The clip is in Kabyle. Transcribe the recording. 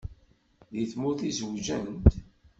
Deg tmurt i zewǧent?